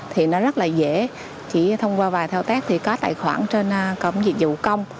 thì nó rất là dễ chỉ thông qua vài thao tác thì có tài khoản trên cổng dịch vụ công